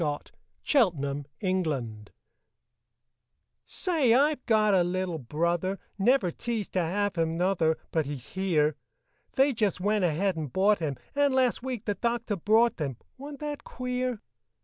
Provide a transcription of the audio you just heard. HIS NEW BROTHER Say, I've got a little brother, Never teased to have him, nuther, But he's here; They just went ahead and bought him, And, last week the doctor brought him, Wa'n't that queer?